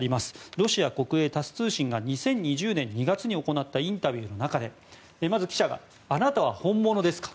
ロシア国営タス通信が２０２０年２月に行ったインタビューの中でまず記者があなたは本物ですか？